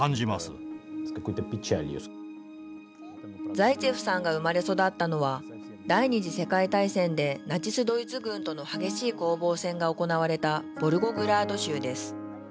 ザイツェフさんが生まれ育ったのは第２次世界大戦でナチス・ドイツ軍との激しい攻防戦が行われたボルゴグラード州です。